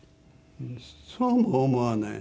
そうは思わない。